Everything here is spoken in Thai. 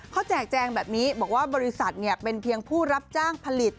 เขาแจกแจงแบบนี้บอกว่าบริษัทเป็นเพียงผู้รับจ้างผลิต